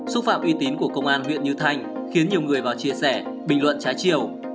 xúc phạm uy tín của công an huyện như thanh khiến nhiều người vào chia sẻ bình luận trái chiều